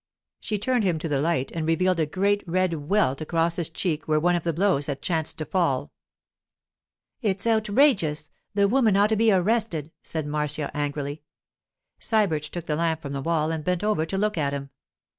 She turned him to the light and revealed a great red welt across his cheek where one of the blows had chanced to fall. 'It's outrageous! The woman ought to be arrested!' said Marcia, angrily. Sybert took the lamp from the wall and bent over to look at him.